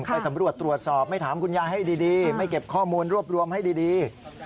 ไปสำรวจตรวจสอบไม่ถามคุณยายให้ดีไม่เก็บข้อมูลรวบรวมให้ดี